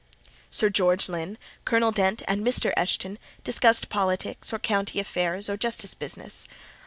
Sir George Lynn, Colonel Dent, and Mr. Eshton discussed politics, or county affairs, or justice business.